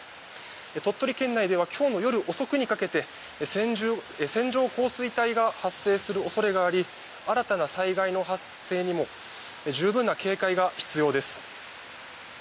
鳥取県内では今日の夜遅くにかけて線状降水帯が発生する恐れがあり新たな災害の発生にも十分な警戒が必要です。